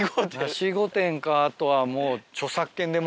梨御殿かあとはもう。